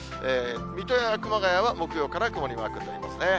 水戸や熊谷は木曜から曇りマークになりますね。